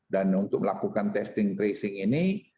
dan untuk melakukan testing tracing ini